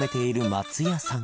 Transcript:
松也さん